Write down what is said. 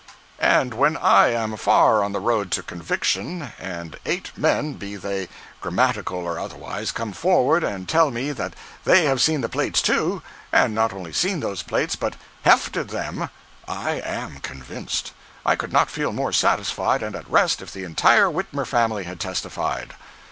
And when I am far on the road to conviction, and eight men, be they grammatical or otherwise, come forward and tell me that they have seen the plates too; and not only seen those plates but "hefted" them, I am convinced. I could not feel more satisfied and at rest if the entire Whitmer family had testified.